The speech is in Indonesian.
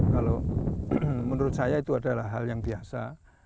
kalau menurut saya itu adalah hal yang biasa